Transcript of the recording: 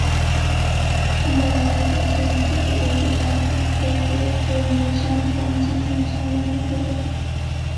张保皋多次与敌对的李道行和紫薇夫人的商团进行商业上的争夺。